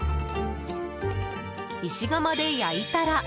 石窯で焼いたら。